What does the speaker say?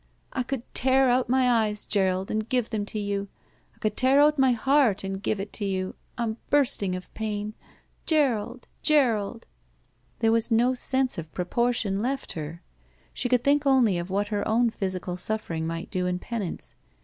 "I could tear out my eyes, Gerald, and give them to you. I could tear out my heart and give it to you. I'm bursting of pain. Gerald ! Gerald !'' There was no sense of proportion left her. She could think only of what her own physical suffering might do in penance.